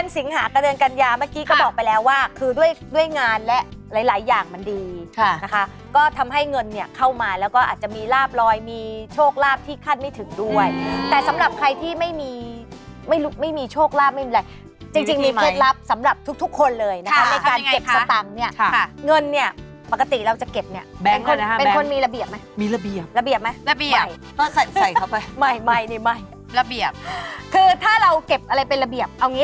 สิงหากัญญาเมื่อกี้ก็บอกไปแล้วว่าคือด้วยงานและหลายอย่างมันดีนะคะก็ทำให้เงินเข้ามาแล้วก็อาจจะมีราบรอยมีโชคราบที่คัดไม่ถึงด้วยแต่สำหรับใครที่ไม่มีโชคราบไม่มีอะไรจริงมีเพศรับสำหรับทุกคนเลยนะคะในการเก็บสตางค์เนี่ยเงินเนี่ยปกติเราจะเก็บเนี่ยเป็นคนมีระเบียบไหมมีระเบียบระเบี